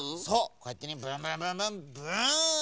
こうやってねブンブンブンブンブーン！